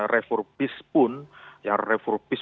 refurbish pun yang refurbish